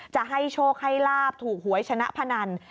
จะให้โชคให้ลาบถูกหวยชนะพนัน